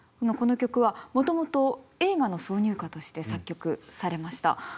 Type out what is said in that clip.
この曲はもともと映画の挿入歌として作曲されました。